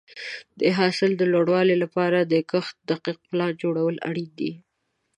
د حاصل د لوړوالي لپاره د کښت دقیق پلان جوړول اړین دي.